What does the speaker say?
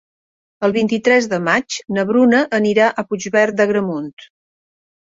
El vint-i-tres de maig na Bruna anirà a Puigverd d'Agramunt.